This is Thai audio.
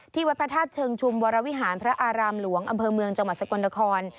วัดพระธาตุเชิงชุมวรวิหารพระอารามหลวงอำเภอเมืองจังหวัดสกลนคร